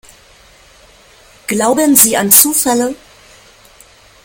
Glauben Sie an Zufälle?